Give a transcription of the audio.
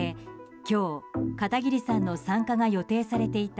今日、片桐さんの参加が予定されていた